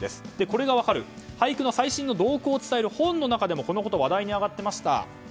これが分かる俳句の最新の動向を伝える本の中でも話題に上がっていました。